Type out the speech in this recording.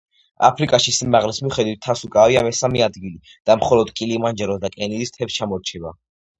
აფრიკაში სიმაღლის მიხედვით მთას უკავია მესამე ადგილი და მხოლოდ კილიმანჯაროს და კენიის მთებს ჩამორჩება.